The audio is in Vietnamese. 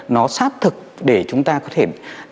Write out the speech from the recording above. nó sát thực để chúng ta có thể